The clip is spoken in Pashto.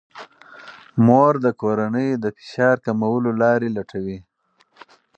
مور د کورنۍ د فشار کمولو لارې لټوي.